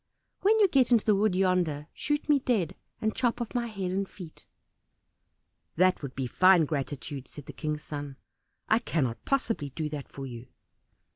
"When you get into the wood yonder, shoot me dead, and chop off my head and feet." "That would be fine gratitude," said the King's son. "I cannot possibly do that for you."